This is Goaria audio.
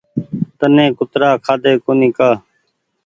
تني ڪترآ کآۮي ڪونيٚ ڪآ